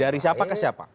dari siapa ke siapa